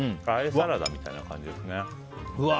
サラダみたいな感じですね。